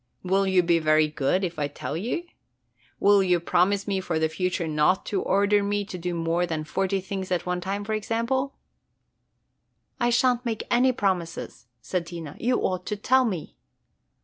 Will you be very good if I will tell you? Will you promise me for the future not to order me to do more than forty things at one time, for example?" "I sha' n't make any promises," said Tina; "you ought to tell me!"